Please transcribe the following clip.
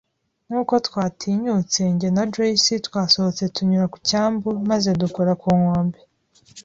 nkuko twatinyutse. Jye na Joyce twasohotse tunyura ku cyambu, maze dukora ku nkombe